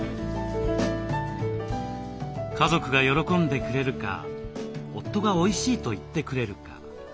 家族が喜んでくれるか夫がおいしいと言ってくれるか。